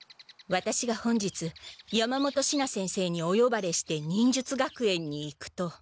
ワタシが本日山本シナ先生におよばれして忍術学園に行くと。